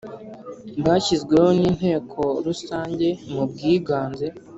bashyizweho n Inteko Rusange mu bwiganze